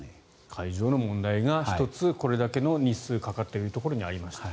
会場の問題が１つこれだけの日数がかかったところにありました。